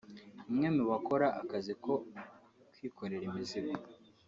umwe mu bakora akazi ko kwikorera imizigo